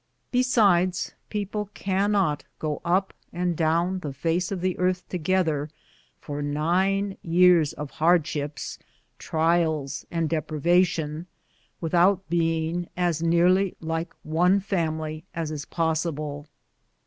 Besides, people can not go up and down the face of the earth together for nine years of hardships, trials, and deprivation without being as nearly like one family as is possible.